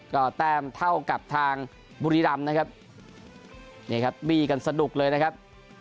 ก็แต้มเท่ากับทางบุรีรำนะครับนี่ครับบี้กันสนุกเลยนะครับ